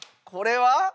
これは？